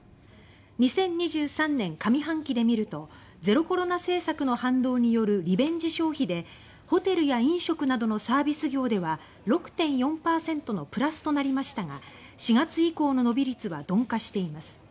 ２０２３年上半期でみるとゼロコロナ政策の反動による「リベンジ消費」でホテルや飲食などのサービス業では６．４％のプラスとなりましたが４月以降の伸び率は鈍化しています。